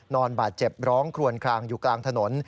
นอนบาดเจ็บร้องคลวนคลางอยู่กลางถนน